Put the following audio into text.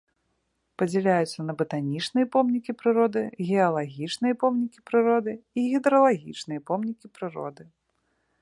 Падзяляюцца на батанічныя помнікі прыроды, геалагічныя помнікі прыроды і гідралагічныя помнікі прыроды.